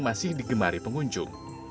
masih digemari pengunjung